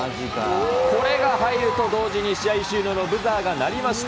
これが入ると同時に試合終了のブザーが鳴りました。